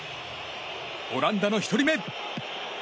オランダの１人目。